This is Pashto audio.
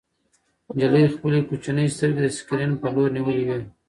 نجلۍ خپلې کوچنۍ سترګې د سکرین په لور نیولې وې.